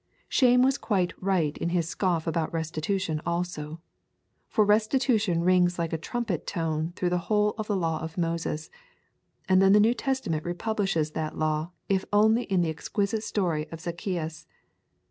Shame was quite right in his scoff about restitution also. For restitution rings like a trumpet tone through the whole of the law of Moses, and then the New Testament republishes that law if only in the exquisite story of Zaccheus.